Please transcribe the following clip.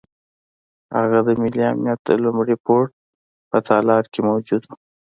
هغه د ملي امنیت د لومړي پوړ په تالار کې موجود وو.